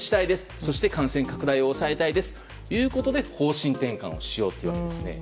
そして感染拡大を抑えたいですということで方針転換をしようということです。